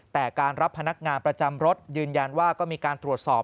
แต่การรับพนักงานประจำรถยืนยันว่าก็มีการตรวจสอบ